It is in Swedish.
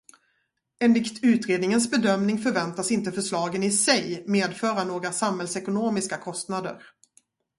Enligt utredningens bedömning förväntas inte förslagen i sig medföra några samhällsekonomiska kostnader.